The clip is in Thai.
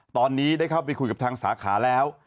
ตอนนี้ได้เข้าไปคุยกับทางสาขาแล้ว